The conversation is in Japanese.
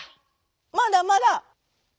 「まだまだ」。